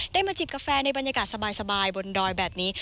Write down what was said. มาจิบกาแฟในบรรยากาศสบายบนดอยแบบนี้